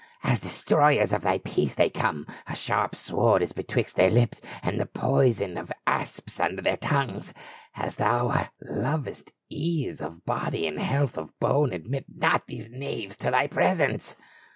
" As destroyers of thy peace they come ; a sharp sword is betwixt their Hps, and the poison of asps under their tongues ! As thou lovest ease of body and health of bone admit not these knaves to thy presence